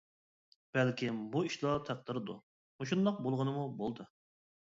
بەلكىم بۇ ئىشلار تەقدىردۇ، مۇشۇنداق بولغىنىمۇ بولدى.